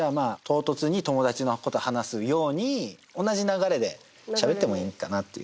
とうとつに友だちのこと話すように同じ流れでしゃべってもいいんかなっていう。